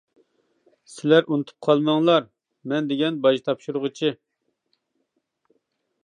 سىلەر ئۇنتۇپ قالماڭلار، مەن دېگەن باج تاپشۇرغۇچى!